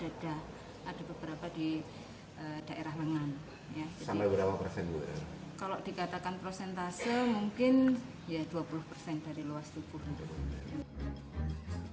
kalau dikatakan prosentase mungkin ya dua puluh persen dari luas tubuh